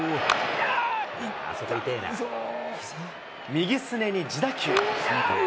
右すねに自打球。